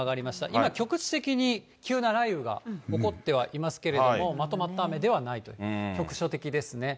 今、局地的に急な雷雨が起こってはいますけれども、まとまった雨ではないと、局所的ですね。